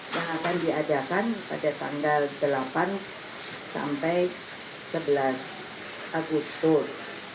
yang akan diadakan pada tanggal delapan sampai sebelas agustus